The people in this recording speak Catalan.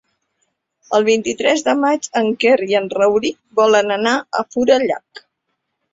El vint-i-tres de maig en Quer i en Rauric volen anar a Forallac.